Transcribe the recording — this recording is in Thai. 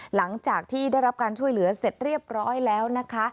หลังจากที่ได้รับการช่วยเหลือเสร็จเรียบร้อยแล้วนะคะ